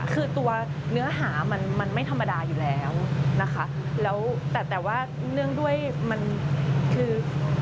คือตัวเนื้อหามันมันไม่ธรรมดาอยู่แล้วนะคะแล้วแต่แต่ว่าเนื่องด้วยมันคือ